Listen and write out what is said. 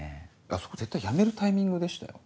あそこ絶対やめるタイミングでしたよ。